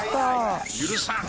「許さん！」。